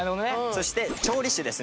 そして調理酒ですね。